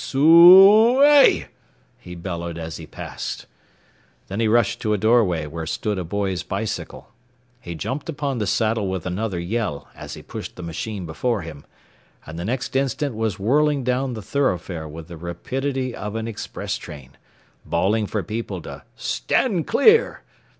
"Soo oo a y!" he bellowed as he passed. Then he rushed to a doorway where stood a boy's bicycle. He jumped upon the saddle with another yell as he pushed the machine before him, and the next instant was whirling down the thoroughfare with the rapidity of an express train, bawling for people to "Stand clear!"